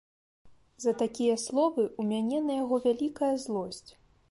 За такія словы ў мяне на яго вялікая злосць.